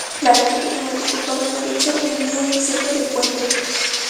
La línea anteriormente ocupaba el derecho de vía en el centro del puente.